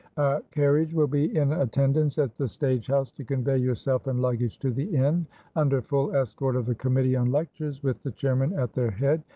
A carriage will be in attendance at the Stage house to convey yourself and luggage to the Inn, under full escort of the Committee on Lectures, with the Chairman at their head.